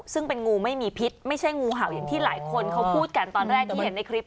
ซึ่งเป็นงูไม่มีพิษไม่ใช่งูเห่าอย่างที่หลายคนเขาพูดกันตอนแรกที่เห็นในคลิป